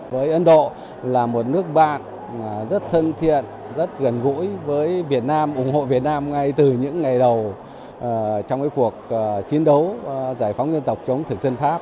với ấn độ là một nước bạn rất thân thiện rất gần gũi với việt nam ủng hộ việt nam ngay từ những ngày đầu trong cuộc chiến đấu giải phóng